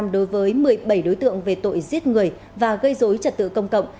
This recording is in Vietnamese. đối với một mươi bảy đối tượng về tội giết người và gây dối trật tự công cộng